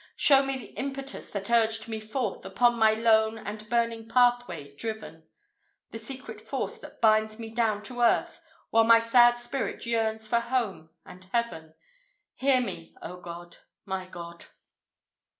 Show me the impetus that urged me forth, Upon my lone and burning pathway driven; The secret force that binds me down to earth, While my sad spirit yearns for home and heaven Hear me, O God! my God!